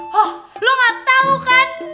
hah lo gak tau kan